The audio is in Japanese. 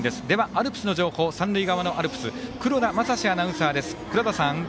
アルプスの情報三塁側のアルプス黒田賢アナウンサーです。